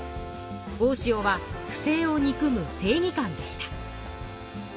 大塩は不正を憎む正義漢でした。